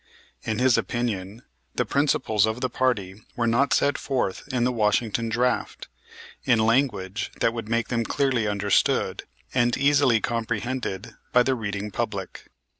In his opinion, the principles of the party were not set forth in the Washington draft in language that would make them clearly understood and easily comprehended by the reading public.